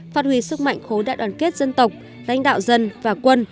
phát huy sức mạnh khối đại đoàn kết dân tộc lãnh đạo dân và quân